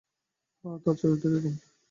হ্যাঁ, তার চরিত্র এরকম।